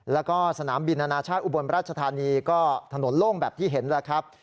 แล้วก็สนามบินอนาชาติอุบลราชธานีก็ถนนโล่งแบบที่เห็นแล้วครับ